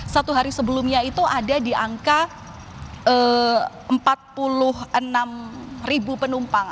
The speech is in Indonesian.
satu hari sebelumnya itu ada di angka empat puluh enam penumpang